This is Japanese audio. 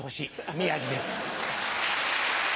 宮治です。